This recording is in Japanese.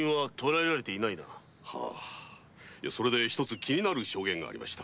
１つ気になる証言がありました。